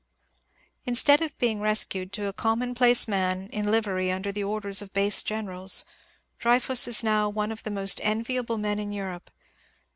Instead of being rescued to be a commonplace man in liv ery under the orders of base generals, Dreyfus is now one of the most enviable men in Europe.